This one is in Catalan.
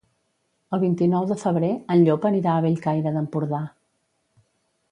El vint-i-nou de febrer en Llop anirà a Bellcaire d'Empordà.